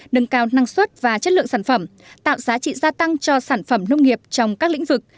nâng cao năng suất và chất lượng sản phẩm tạo giá trị gia tăng cho sản phẩm nông nghiệp trong các lĩnh vực